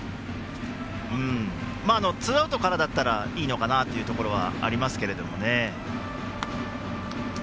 ツーアウトからだったらいいのかなっていうところはありますけれどもね。